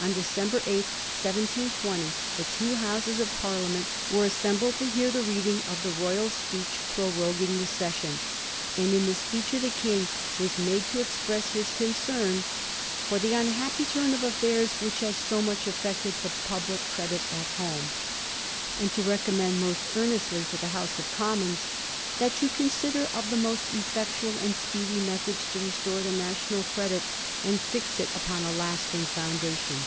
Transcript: On December 8, 1720, the two Houses of Parliament were assembled to hear the reading of the Royal speech proroguing the session ; and in the speech the King was made to express his concern ^ for the unhappy turn of affairs which has 60 much affected the public credit at home,' and to recommend most earnestly to the House of Commons ^ that you consider of the most effectual and speedy methods to restore the national credit, and fix it upon a lasting foundation.'